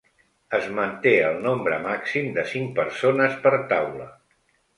Es manté el nombre màxim de cinc persones per taula.